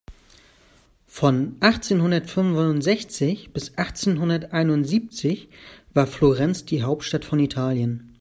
Von achtzehnhundertfünfundsechzig bis achtzehnhunderteinundsiebzig war Florenz die Hauptstadt von Italien.